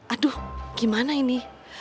aduh gimana ini